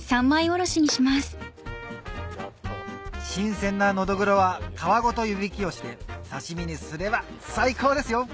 新鮮なノドグロは皮ごと湯引きをして刺し身にすれば最高ですよ